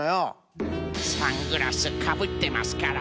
サングラスかぶってますから。